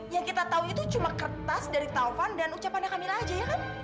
yang kita tahu itu cuma kertas dari taufan dan ucapannya kamilah aja ya kan